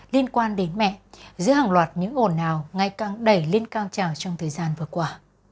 liên quan đến mẹ giữa hàng loạt những ổn hào ngay càng đẩy lên cao trào trong thời gian vừa qua